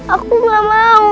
aku gak mau